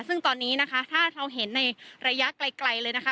ซึ่งตอนนี้นะคะถ้าเราเห็นในระยะไกลเลยนะคะ